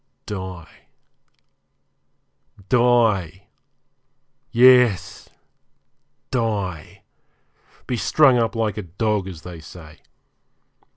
Die die yes, die; be strung up like a dog, as they say.